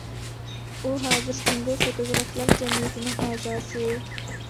ئۇ ھازىر جۇڭگو فوتوگرافلار جەمئىيىتىنىڭ ئەزاسى.